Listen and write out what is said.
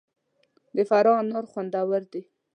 د فراه انار خوندور دي